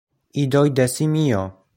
Idoj de simio!